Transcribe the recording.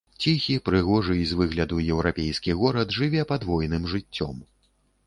Ціхі, прыгожы і з выгляду еўрапейскі горад жыве падвойным жыццём.